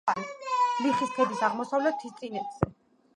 ლიხის ქედის აღმოსავლეთ მთისწინეთზე.